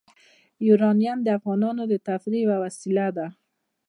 یورانیم د افغانانو د تفریح یوه وسیله ده.